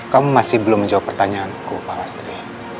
kamu masih belum menjawab pertanyaanku pak lastri